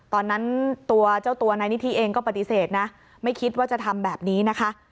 ตอนนั้นตัวเจ้าตัวนายนิธิเองก็ปฏิเสธนะไม่คิดว่าจะทำแบบนี้นะคะ